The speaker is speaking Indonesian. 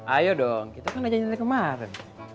ayo dong kita kan udah janji dari kemarin